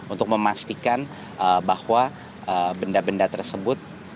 untuk memastikan bahwa benda benda tersebut